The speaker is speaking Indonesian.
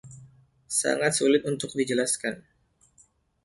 Sangat sulit untuk dijelaskan.